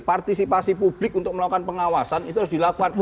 partisipasi publik untuk melakukan pengawasan itu harus dilakukan